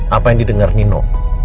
apa yang didengar nino